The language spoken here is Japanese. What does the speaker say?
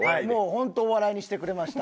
ホントお笑いにしてくれました。